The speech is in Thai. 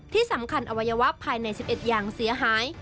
ที่สำคัญอวัยวะภายใน๑๑อย่างเสียหาย